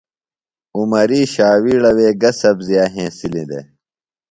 عمری شاویڑہ وے گہ سبزیہ ہینسِلی دےۡ؟